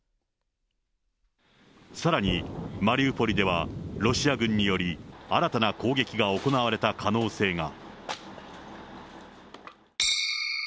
さらに、マリウポリではロシア軍により、新たな攻撃が行われた可能性が。